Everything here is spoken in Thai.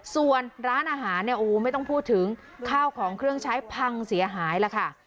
ส่วนร้านอาหารเนี่ยโอ้ไม่ต้องพูดถึงข้าวของเครื่องใช้พังเสียหายแล้วค่ะ